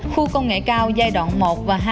khu công nghệ cao giai đoạn một và hai